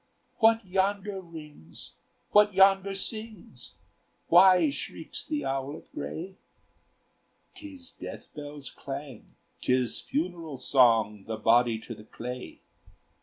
"What yonder rings, what yonder sings? Why shrieks the owlet gray?" "'Tis death bells' clang, 'tis funeral song, The body to the clay.